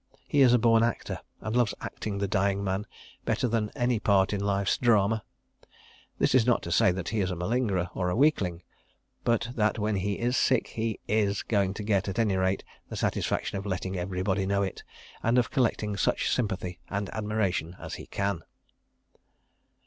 He is a born actor and loves acting the dying man better than any part in life's drama. This is not to say that he is a malingerer or a weakling—but that when he is sick he is going to get, at any rate, the satisfaction of letting everybody know it and of collecting such sympathy and admiration as he can.